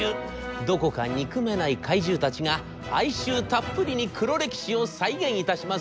どこか憎めない怪獣たちが哀愁たっぷりに黒歴史を再現いたします。